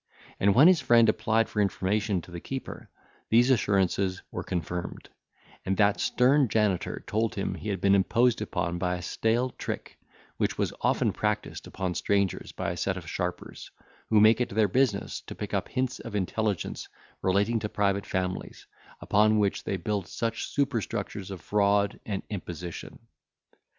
And when his friend applied for information to the keeper, these assurances were confirmed; and that stern janitor told him he had been imposed upon by a stale trick, which was often practised upon strangers by a set of sharpers, who make it their business to pick up hints of intelligence relating to private families, upon which they build such superstructures of fraud and imposition.